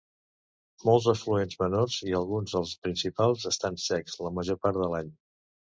Molts afluents menors i alguns dels principals estan secs la major part de l'any.